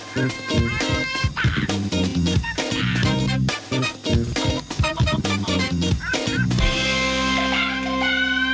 โปรดติดตามตอนต่อไป